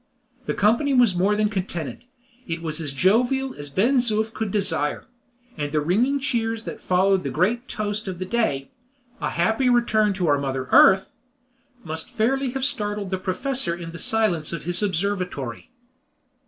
The company was more than contented it was as jovial as Ben Zoof could desire; and the ringing cheers that followed the great toast of the day "A happy return to our Mother Earth," must fairly have startled the professor in the silence of his observatory.